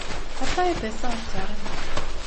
Hatda epesli artýaram.